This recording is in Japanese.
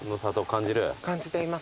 感じています